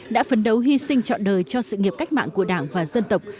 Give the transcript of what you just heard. đã phấn đấu hy sinh chọn đời cho sự nghiệp cách mạng của đảng và dân tộc